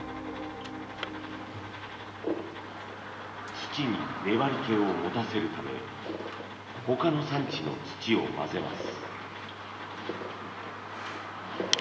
土に粘りけを持たせるため他の産地の土を混ぜます。